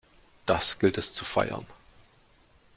Das gilt es zu feiern!